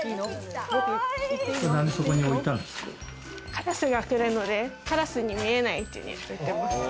カラスが来るのでカラスに見えない位置に置いてます。